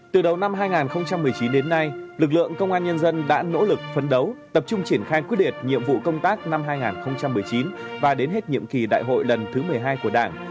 từ đầu năm hai nghìn một mươi chín đến nay lực lượng công an nhân dân đã nỗ lực phấn đấu tập trung triển khai quyết liệt nhiệm vụ công tác năm hai nghìn một mươi chín và đến hết nhiệm kỳ đại hội lần thứ một mươi hai của đảng